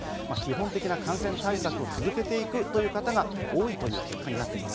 基本的な感染対策を続けていくという方が多いという結果になっています。